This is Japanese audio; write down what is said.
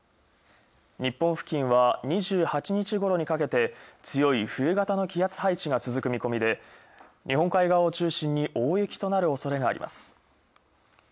日本付近は２８日ごろにかけて、強い冬型の気圧配置が続く見込みで、日本海側を中心に大雪となる恐れがあります。